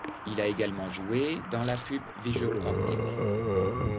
Il a également joué dans la pub Visual Optique.